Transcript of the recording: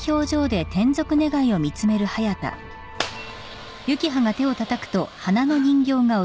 あっ。